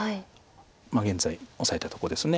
現在オサえたとこです。